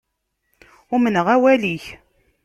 Umneɣ awal-ik.